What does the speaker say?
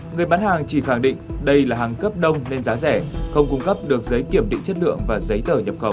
người bán hàng chỉ khẳng định đây là hàng cấp đông nên giá rẻ không cung cấp được giấy kiểm định chất lượng và giấy tờ nhập khẩu